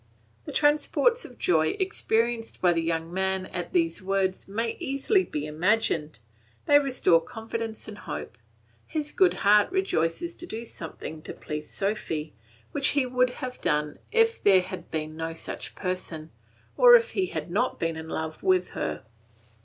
The transports of joy experienced by the young man at these words may easily be imagined; they restore confidence and hope, his good heart rejoices to do something to please Sophy, which he would have done if there had been no such person, or if he had not been in love with her.